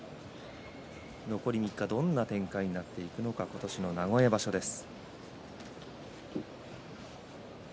残り３日どんな展開になっていくのか今年の名古屋場所です。